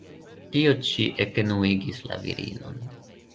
Tio ĉi ekenuigis la virinon.